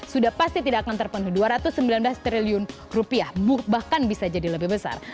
sudah pasti tidak akan terpenuhi dua ratus sembilan belas triliun rupiah bahkan bisa jadi lebih besar